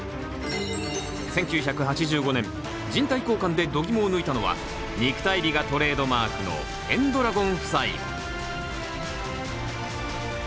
１９８５年人体交換でどぎもを抜いたのは肉体美がトレードマークのペンドラゴン夫妻。